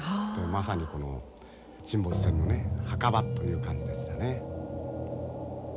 まさにこの沈没船のね墓場という感じでしたね。